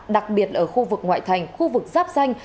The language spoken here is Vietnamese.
đặc biệt ở khu vực ngoại thành khu vực giáp danh